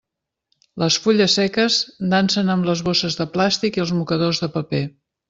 Les fulles seques dansen amb les bosses de plàstic i els mocadors de paper.